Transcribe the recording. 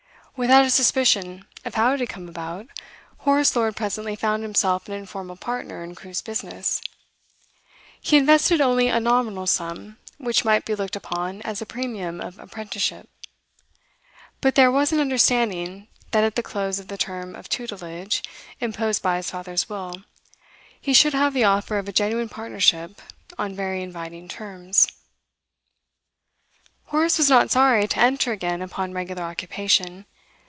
Without a suspicion of how it had come about, Horace Lord presently found himself an informal partner in Crewe's business; he invested only a nominal sum, which might be looked upon as a premium of apprenticeship; but there was an understanding that at the close of the term of tutelage imposed by his father's will, he should have the offer of a genuine partnership on very inviting terms. Horace was not sorry to enter again upon regular occupation.